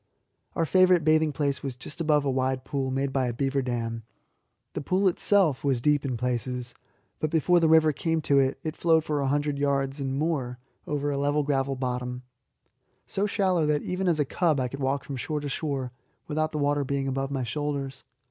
Our favourite bathing place was just above a wide pool made by a beaver dam. The pool itself was deep in places, but before the river came to it, it flowed for a hundred yards and more over a level gravel bottom, so shallow that even as a cub I could walk from shore to shore without the water being above my shoulders.